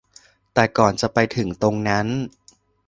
แต่ก่อนจะไปถึงตรงนั้น